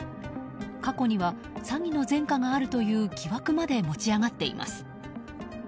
過去には詐欺の前科があるという疑惑まで持ち上がっています。